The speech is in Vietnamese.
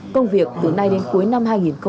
công việc từ nay đến cuối năm hai nghìn hai mươi